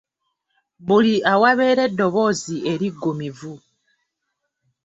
Buli awabeera eddoboozi eriggumivu.